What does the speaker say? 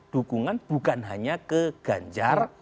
dukungan bukan hanya ke ganjar